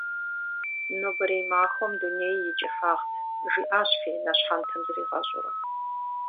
«Нобэрей махуэм дуней и кӏыхьагът», жиӏащ Фенэ щхьэнтэм зригъэщӏурэ.